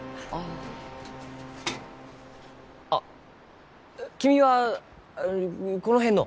あっ君はこの辺の？